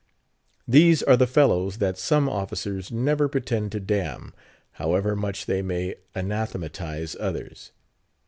These are the fellows that some officers never pretend to damn, however much they may anathematize others.